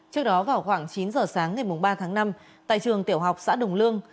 trước đó vào khoảng chín giờ sáng ngày ba tháng năm tại trường tiểu học xã đồng lương